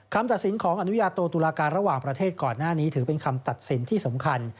คำตัดสินของอนุญาโตตุลาการระหว่างประเทศก่อนหน้านี้ถือเป็นคำตัดสินที่สำคัญ